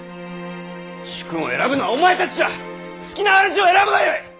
主君を選ぶのはお前たちじゃ好きな主を選ぶがよい！